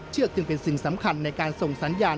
จึงเป็นสิ่งสำคัญในการส่งสัญญาณ